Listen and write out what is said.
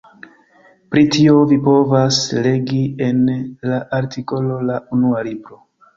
Pri tio vi povas legi en la artikolo La Unua Libro.